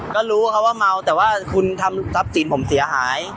ก็รู้เขาว่าเมาแต่ว่าคุณทำทรัพย์สินผมเสียหาย